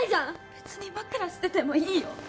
別に枕しててもいいよ。